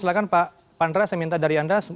silakan pak pantra saya minta dari anda